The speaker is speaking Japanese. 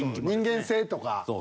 人間性とか。